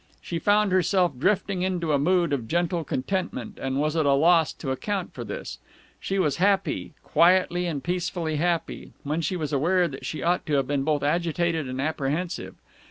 She found herself drifting into a mood of gentle contentment, and was at a loss to account for this. She was happy quietly and peacefully happy, when she was aware that she ought to have been both agitated and apprehensive.